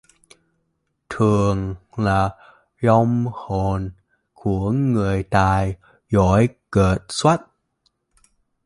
thường là vong hồn của người tài giỏi kệt xuất